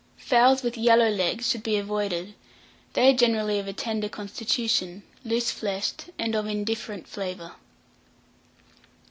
Fowls with yellow legs should be avoided; they are generally of a tender constitution, loose fleshed, and of indifferent flavour.